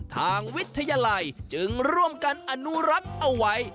ทางวิทยาลัยจึงร่วมกันอนุรักษ์เอาไว้